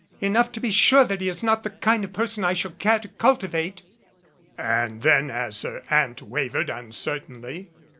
"Oh er enough to be sure that he is not the kind of person I shall care to cultivate." And then as her Aunt wavered uncertainly.